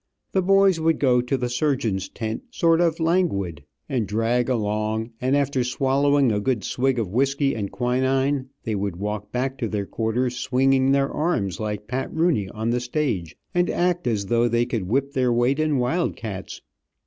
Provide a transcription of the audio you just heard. The boys would go to the surgeon's tent sort of languid, and drag along, and after swallowing a good swig of whisky and quinine they would walk back to their quarters swinging their arms like Pat Rooney on the stage, and act as though they could whip their weight in wild cats.